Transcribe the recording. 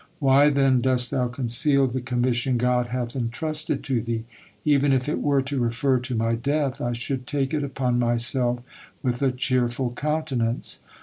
Why, then, dost thou conceal the commission God hath entrusted to thee? Even if it were to refer to my death, I should take it upon myself with a cheerful countenance."